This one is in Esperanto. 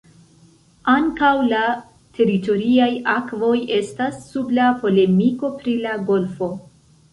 Ankaŭ la teritoriaj akvoj estas sub la polemiko pri la golfo.